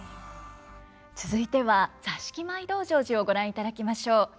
続いては「座敷舞道成寺」をご覧いただきましょう。